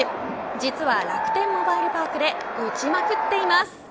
実は楽天モバイルパークで打ちまくっています。